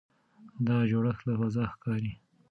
دا جوړښت له فضا ښکاري.